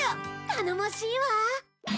頼もしいわ。